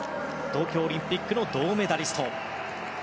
東京オリンピックの銅メダリスト。